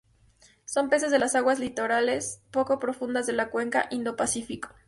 Son peces de las aguas litorales poco profundas de la cuenca Indo-Pacífico.